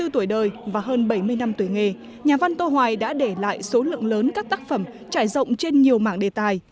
bốn mươi tuổi đời và hơn bảy mươi năm tuổi nghề nhà văn tô hoài đã để lại số lượng lớn các tác phẩm trải rộng trên nhiều mạng đề tài